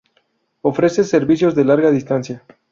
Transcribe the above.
Ofrece servicios de Larga Distancia.